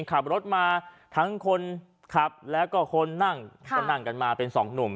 ขับรถมาทั้งคนขับแล้วก็คนนั่งก็นั่งกันมาเป็นสองหนุ่ม